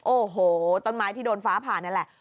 โอ้โหต้นไม้ที่โดนฟ้าผ่านนั่นแหละ